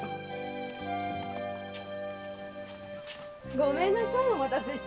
ごめんなさいお待たせして。